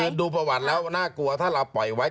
ดูประวัติแล้วน่ากลัวถ้าเราปล่อยไว้